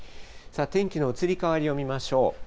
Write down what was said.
天気の移り変わりを見ましょう。